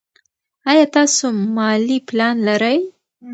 ایا تاسو مالي پلان لرئ.